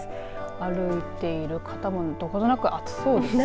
歩いている方もどことなく暑そうですね。